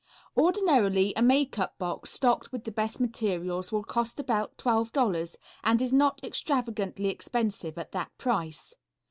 Ordinarily a makeup box stocked with the best materials will cost about $12.00 and is not extravagantly expensive at that price.